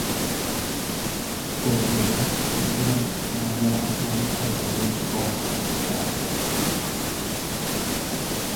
ògbò ya nke na-anọchite anya ọgbọ nta nkwàdo Njikọka nke abụọ